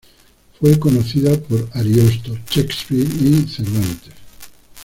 Fue conocida por Ariosto, Shakespeare y Cervantes.